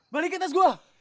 balikin tas gua